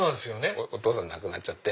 お父さん亡くなっちゃって。